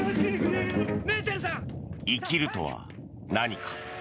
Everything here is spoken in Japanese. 生きるとは何か。